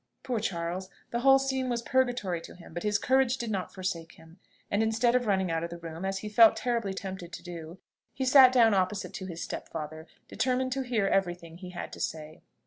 Poor Charles! the whole scene was purgatory to him; but his courage did not forsake him: and instead of running out of the room, as he felt terribly tempted to do, he sat down opposite to his stepfather, determined to hear every thing he had to say.